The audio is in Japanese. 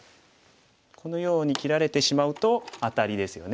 このように切られてしまうとアタリですよね。